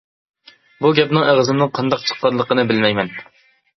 بۇ گەپنىڭ ئېغىزىمدىن قانداق چىققانلىقىنى بىلەيمەن.